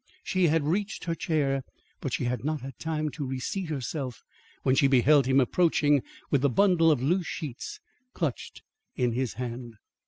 She had reached her chair, but she had not had time to re seat herself when she beheld him approaching with the bundle of loose sheets clutched in his hand.